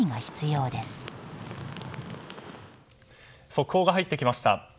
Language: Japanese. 速報が入ってきました。